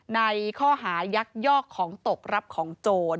ในข้อหายักยอกของตกรับของโจร